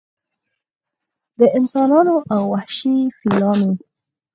د انسانانو او وحشي فیلانو